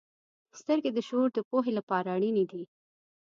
• سترګې د شعور د پوهې لپاره اړینې دي.